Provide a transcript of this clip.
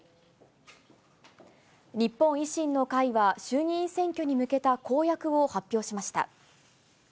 日本維新の会は、衆議院選挙に向けた公約を発表しました。